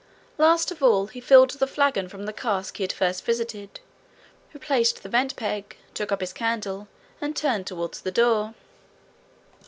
Last of all, he filled the flagon from the cask he had first visited, replaced then the vent peg, took up his candle, and turned toward the door.